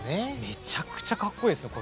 めちゃくちゃかっこいいですよ。